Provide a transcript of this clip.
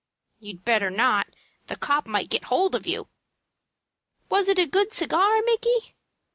"You'd better not. The copp might get hold of you." "Was it a good cigar, Micky?"